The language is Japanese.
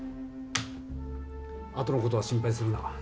あとの事は心配するな。